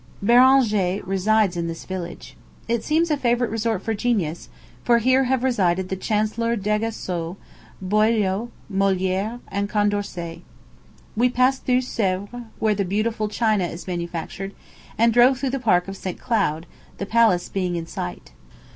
Beranger resides in this village. It seems a favorite resort for genius; for here have resided the Chancellor D'Aguesseau, Boileau, Molière, and Condorcet. We passed through Sèvres, where the beautiful china is manufactured, and drove through the Park of St. Cloud, the palace being in sight.